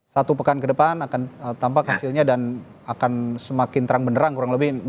satu pekan ke depan akan tampak hasilnya dan akan semakin terang benerang kurang lebih